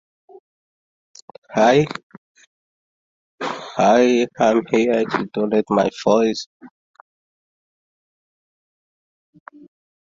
A Forward Bloc Conference was held in Bombay in the end of June.